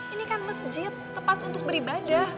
ini kan masjid tepat untuk beribadah